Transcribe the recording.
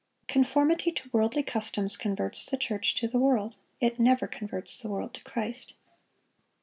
Conformity to worldly customs converts the church to the world; it never converts the world to Christ.